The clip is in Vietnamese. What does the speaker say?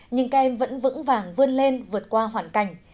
nhưng các em vẫn vững vàng vươn lên vượt qua hoàn cảnh